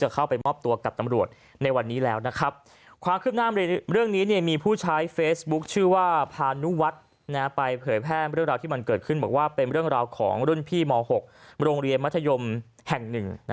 ก็คือเรื่องราวของรุ่นพี่ม๖โรงเรียนมัธยมแห่ง๑